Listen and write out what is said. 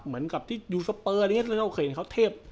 เหมือนกับที่อยู่สเปอร์อะไรอย่างนี้เราเคยเห็นเขาเทพ